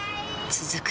続く